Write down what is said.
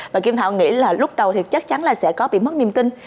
và kim thảo nghĩ là lúc đầu thì chắc chắn là sẽ có bị mất niềm tin